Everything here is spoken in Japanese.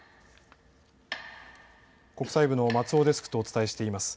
国際部の松尾デスクとお伝えしていきます。